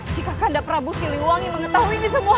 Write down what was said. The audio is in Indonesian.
jika anda prabu siliwangi mengetahui ini semua